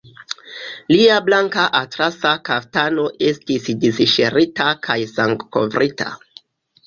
Lia blanka atlasa kaftano estis disŝirita kaj sangkovrita.